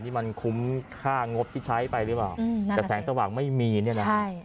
นี่มันคุ้มค่างบที่ใช้ไปหรือเปล่าแต่แสงสว่างไม่มีเนี่ยนะใช่